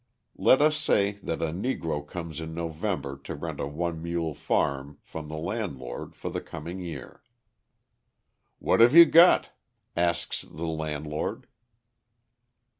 Let us say that a Negro comes in November to rent a one mule farm from the landlord for the coming year. "What have you got?" asks the landlord.